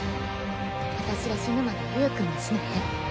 私が死ぬまでゆーくんも死なへん。